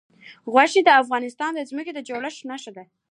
غوښې د افغانستان د ځمکې د جوړښت نښه ده.